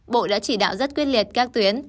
bộ đã chỉ đạo rất quyết liệt các tuyến